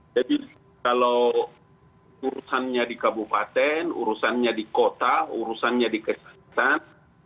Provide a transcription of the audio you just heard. jadi kalau urusannya di kabupaten urusannya di kota urusannya di kecamatan